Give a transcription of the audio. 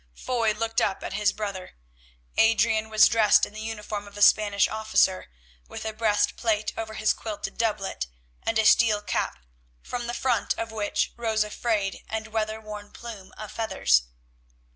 Foy looked up at his brother. Adrian was dressed in the uniform of a Spanish officer, with a breast plate over his quilted doublet, and a steel cap, from the front of which rose a frayed and weather worn plume of feathers.